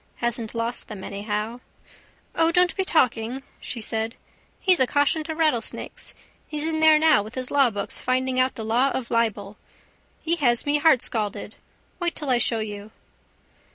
Hasn't lost them anyhow. —O, don't be talking! she said. He's a caution to rattlesnakes. He's in there now with his lawbooks finding out the law of libel. He has me heartscalded. Wait till I show you.